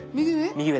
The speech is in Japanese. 右上？